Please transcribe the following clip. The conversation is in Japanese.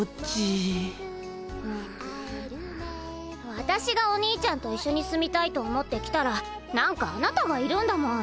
わたしがお兄ちゃんと一緒に住みたいと思ってきたら何かあなたがいるんだもん。